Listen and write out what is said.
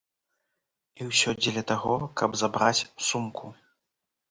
І ўсё дзеля таго, каб забраць сумку.